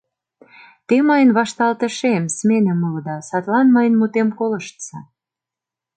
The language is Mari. Те мыйын вашталтышем, сменем улыда, садлан мыйын мутем колыштса.